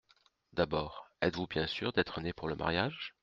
D’abord, êtes-vous bien sûr d’être né pour le mariage ?…